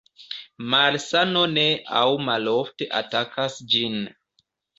Malsano ne aŭ malofte atakas ĝin.